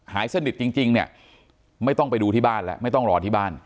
หายสนิทจริงเนี่ยไม่ต้องไปดูที่บ้านแล้วไม่ต้องรอที่บ้าน